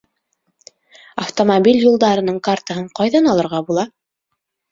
Автомобиль юлдарының картаһын ҡайҙан алырға була?